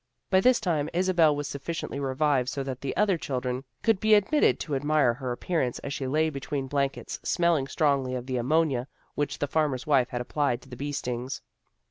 By this tune Isabel was sufficiently revived so that the other children could be admitted to admire her ap pearance as she lay between blankets smelling strongly of the ammonia which the farmer's wife had applied to the bee stings.